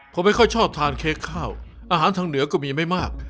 ผมไม่ค่อยชอบทานเค้กข้าวอาหารทางเหนือก็มีไม่มาก